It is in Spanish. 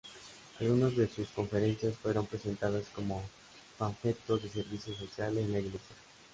Algunas de sus conferencias fueron presentadas como panfletos de servicio social en la iglesia.